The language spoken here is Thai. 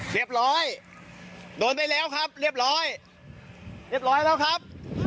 เรียบร้อยโดนได้แล้วครับเรียบร้อยเรียบร้อยแล้วครับ